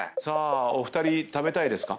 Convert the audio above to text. お二人食べたいですか？